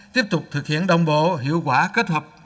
tiếp tục thực hiện đồng bộ hiệu quả kết hợp hành động